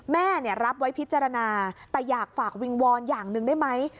แม่รับไว้พิจารณาแต่อยากฝากวิงวอนอย่างหนึ่งได้ไหม